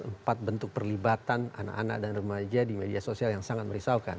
empat bentuk perlibatan anak anak dan remaja di media sosial yang sangat merisaukan